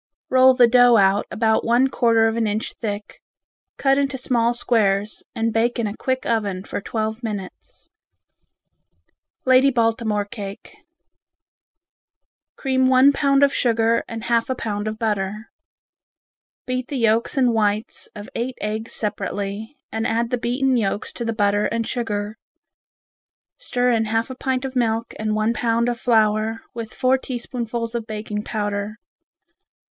Roll the dough out about one quarter of an inch thick, cut into small squares and bake in a quick oven for twelve minutes. Lady Baltimore Cake Cream one pound of sugar and half a pound of butter. Beat the yolks and whites of eight eggs separately, and add the beaten yolks to the butter and sugar. Stir in half a pint of milk and one pound of flour with four teaspoonfuls of baking powder.